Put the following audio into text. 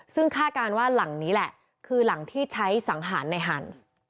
ซึ่งคาดการณ์ว่าหลังนี้แหละคือหลังที่ใช้สังหารในฮันส์